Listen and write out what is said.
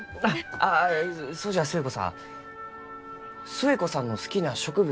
あそうじゃ寿恵子さん寿恵子さんの好きな植物